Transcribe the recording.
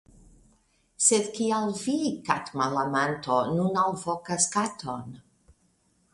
Sed kial vi, katmalamanto, nun alvokas katon?